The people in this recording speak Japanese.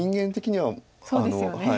はい。